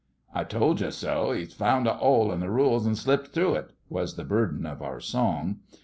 'I told you so! E's found an 'ole in the rules an' slipped through it,' was the burden of our song.